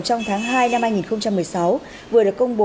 trong tháng hai năm hai nghìn một mươi sáu